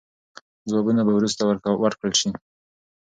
ځوابونه به وروسته ورکړل سي.